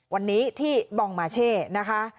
วันนี้ที่บองมาเช่นะคะ